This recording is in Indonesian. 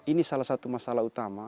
ini salah satu masalah utama